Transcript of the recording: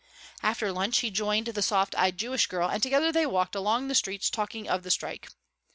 After lunch he joined the soft eyed Jewish girl and together they walked along the street talking of the strike.